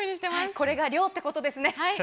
これが漁ってことですね。